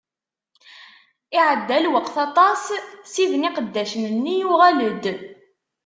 Iɛedda lweqt aṭas, ssid n iqeddacen-nni yuɣal-d.